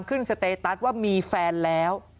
สเตตัสว่ามีแฟนแล้ว